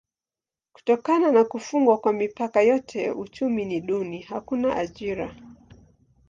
Kutokana na kufungwa kwa mipaka yote uchumi ni duni: hakuna ajira.